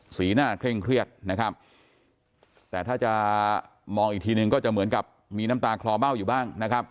สีหน้าเคร่งเครียดนะครับแต่ถ้าจะมองอีกทีนึงก็จะเหมือนกับมีน้ำตาคลอเบ้าอยู่บ้างนะครับ